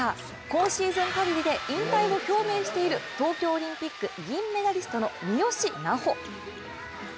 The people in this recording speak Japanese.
今シーズン限りで引退を表明している東京オリンピック銀メダリストの三好南穂。